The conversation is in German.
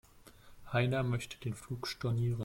Heiner möchte den Flug stornieren.